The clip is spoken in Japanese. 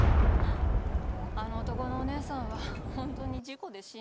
あの男のお姉さんは本当に事故で死んだんでしょうね。